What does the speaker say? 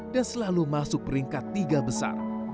dan selalu masuk peringkat tiga besar